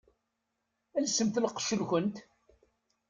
Elsemt lqecc-nkent!